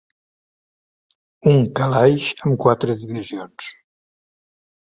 Un calaix amb quatre divisions.